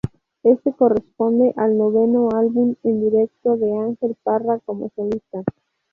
Este corresponde al noveno álbum en directo de Ángel Parra como solista.